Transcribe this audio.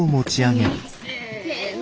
せの。